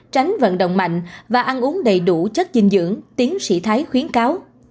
tránh vận động mạnh và ăn uống đầy đủ chất dinh dưỡng tiến sĩ thái khuyến cáo